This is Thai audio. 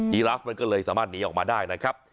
ีราฟมันก็เลยสามารถหนีออกมาได้นะครับ